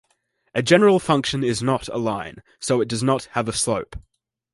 A general function is not a line, so it does not have a slope.